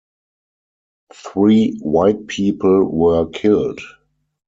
Three white people were killed.